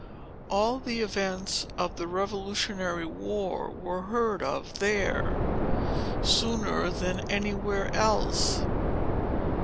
All the events of the revolutionary war were heard of there, sooner than anywhere else.